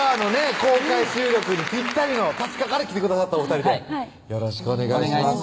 公開収録にぴったりの立川から来てくださったお２人ではいよろしくお願いします